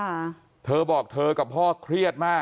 ความปลอดภัยของนายอภิรักษ์และครอบครัวด้วยซ้ำ